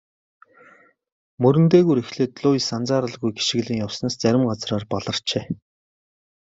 Мөрөн дээгүүр эхлээд Луис анзааралгүй гишгэлэн явснаас зарим газраар баларчээ.